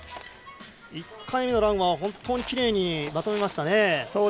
１回目のランはきれいにまとめました。